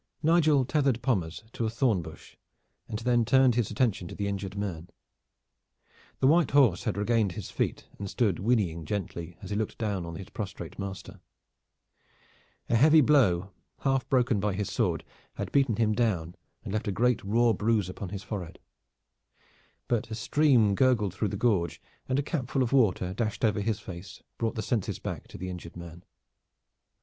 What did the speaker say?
Nigel tethered Pommers to a thorn bush and then turned his attention to the injured man. The white horse had regained his feet and stood whinnying gently as he looked down on his prostrate master. A heavy blow, half broken by his sword, had beaten him down and left a great raw bruise upon his forehead. But a stream gurgled through the gorge, and a capful of water dashed over his face brought the senses back to the injured man.